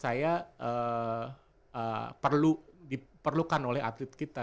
saya diperlukan oleh atlet kita